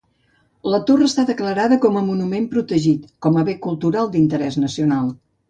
La torre està declarada com a monument protegit com a bé cultural d'interès nacional.